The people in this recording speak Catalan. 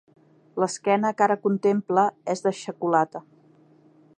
L'esquena que ara contempla és de xocolata.